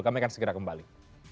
kami akan segera kembali